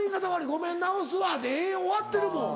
「ごめん直すわ」でええ終わってるもん。